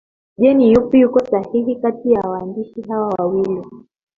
Je ni yupi yuko sahihi kati ya waandishi hawa wawili